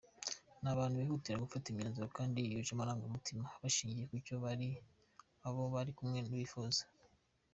Ni abantu bihutira gufata imyanzuro kandi yuje amarangamutima bashingiye kucyo abo bari kumwe bifuza.